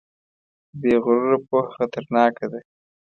بې غروره پوهه خطرناکه ده.